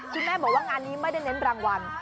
คุณแม่บอกว่างานนี้ไม่ได้เน้นรางวัล